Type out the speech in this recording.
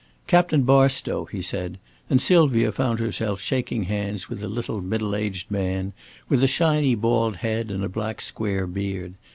"Captain Barstow," he said, and Sylvia found herself shaking hands with a little middle aged man with a shiny bald head and a black square beard.